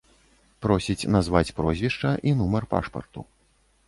Просіць назваць прозвішча і нумар пашпарту.